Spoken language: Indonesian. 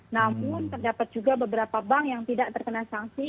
namun terdapat juga beberapa bank yang tidak terkena sanksi